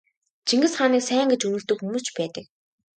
Чингис хааныг сайн гэж үнэлдэг хүмүүс ч байдаг.